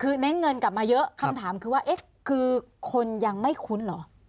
คือเน้นเงินกลับมาเยอะคำถามคือว่าเอ๊ะคือคนยังไม่คุ้นเหรอ